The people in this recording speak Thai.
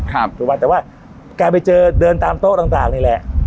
ถูกไหมแต่ว่าการไปเจอเดินตามโต๊ะต่างนี่แหละ